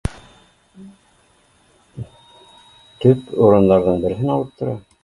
Төп урындарҙың береһен алып тора